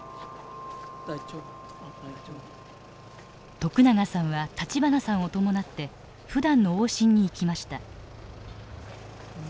徳永さんは立花さんを伴ってふだんの往診に行きました。